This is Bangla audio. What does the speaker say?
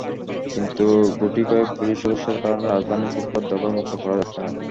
কিন্তু গুটিকয়েক পুলিশ সদস্যের কারণে রাজধানীর ফুটপাত দখল মুক্ত করা যাচ্ছে না।